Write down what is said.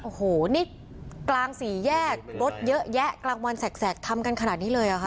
โอ้โหนี่กลางสี่แยกรถเยอะแยะกลางวันแสกทำกันขนาดนี้เลยเหรอคะ